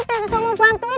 gak usah usah mau bantuin